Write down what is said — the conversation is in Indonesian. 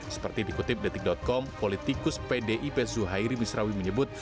seperti dikutip detik com politikus pdip zuhairi misrawi menyebut